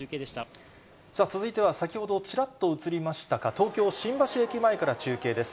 さあ、続いては先ほどちらっと映りましたか、東京・新橋駅前から中継です。